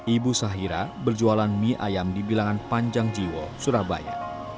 ibu sahira berjualan mie ayam di bilangan panjang jiwo surabaya